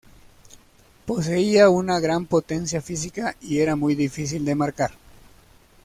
Poseía una gran potencia física y era muy difícil de marcar.